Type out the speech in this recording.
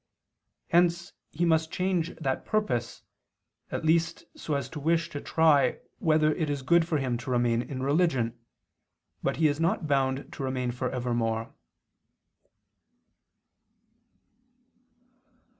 Hence he must change that purpose, at least so as to wish to try whether it is good for him to remain in religion, but he is not bound to remain for evermore.